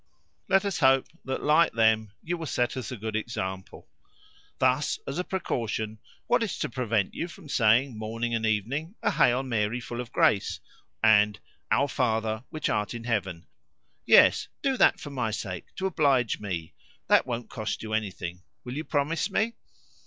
Let us hope that, like them, you will set us a good example. Thus, as a precaution, what is to prevent you from saying morning and evening a 'Hail Mary, full of grace,' and 'Our Father which art in heaven'? Yes, do that, for my sake, to oblige me. That won't cost you anything. Will you promise me?"